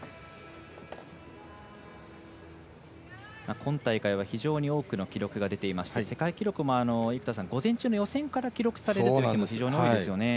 今大会は非常に多くの記録が出ていまして世界記録も午前中の予選から記録されるという日も非常に多いですよね。